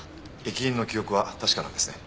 駅員の記憶は確かなんですね？